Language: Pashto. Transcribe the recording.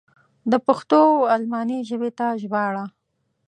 د پښتو و الماني ژبې ته ژباړه.